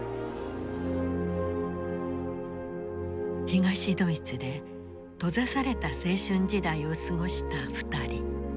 東ドイツで閉ざされた青春時代を過ごした２人。